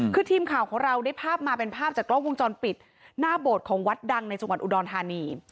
คือทีมข่าวของเราได้ภาพมาเป็นภาพจากกล้องวงจรปิดหน้าโบสถ์ของวัดดังในจังหวัดอุดรธานี